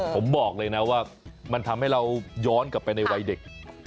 ผมบอกเลยนะว่ามันทำให้เราย้อนกลับไปในวัยเด็ก